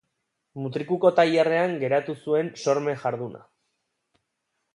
Mutrikuko tailerrean garatu zuen sormen-jarduna.